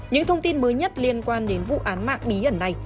những thông tin mới nhất liên quan đến vụ án mạng bí ẩn này